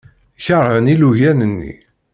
Keṛhen ilugan-nni.